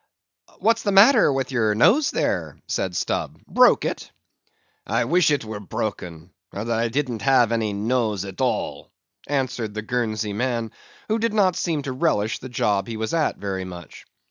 "What's the matter with your nose, there?" said Stubb. "Broke it?" "I wish it was broken, or that I didn't have any nose at all!" answered the Guernsey man, who did not seem to relish the job he was at very much.